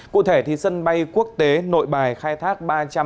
cụ thể sân bay quốc tế nội bài khai thác ba trăm hai mươi hai